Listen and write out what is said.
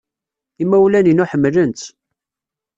Imawlan-inu ḥemmlen-tt.